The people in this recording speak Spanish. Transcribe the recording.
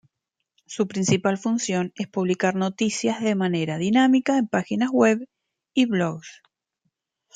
Su principal función es publicar noticias de manera dinámica en páginas web y blogs.